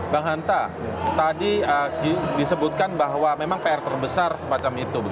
bang hanta tadi disebutkan bahwa memang pr terbesar semacam itu